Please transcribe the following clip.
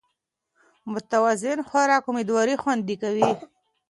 متوازن خوراک امېدواري خوندي کوي